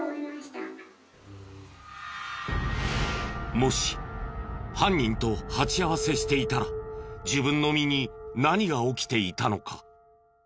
もし犯人と鉢合わせしていたら自分の身に何が起きていたのか。